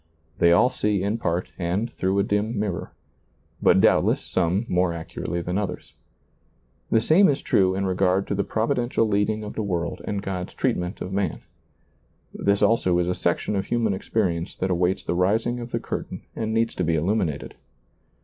They all see in part and through a dim mirror, but doubtless some more accurately than others. The same is true in regard to the Providential leading of the world and God's treatment of man. This also is a section of human experience that awaits the rising of the curtain and needs to be illuminated.